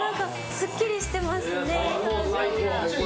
すっきりしてますね表情が。